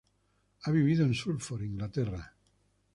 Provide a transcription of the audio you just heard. Ha vivido en Suffolk, Inglaterra.